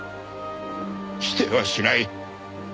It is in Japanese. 否定はしない。